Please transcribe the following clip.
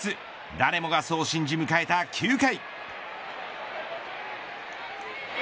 誰もがそう信じ、迎えた９回。